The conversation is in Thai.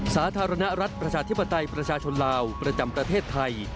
สาธารณรัฐประชาธิปไตยประชาชนลาวประจำประเทศไทย